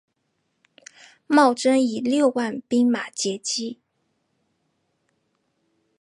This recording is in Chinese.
茂贞以六万兵马截击。